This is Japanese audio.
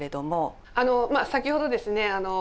先ほどですね